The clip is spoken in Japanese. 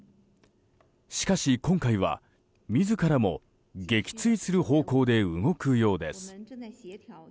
しかし、今回は自らも撃墜する方向で動くようです。